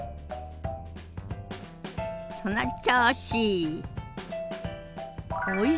その調子！